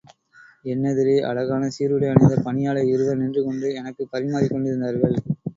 என்னெதிரே அழகான சீருடை அணிந்த பணியாளர் இருவர் நின்று கொண்டு எனக்குப் பரிமாறிக் கொண்டிருந்தார்கள்.